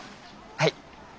はい。